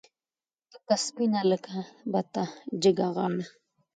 تکه سپینه لکه بته جګه غاړه